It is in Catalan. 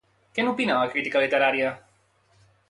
Què n'opina la crítica literària?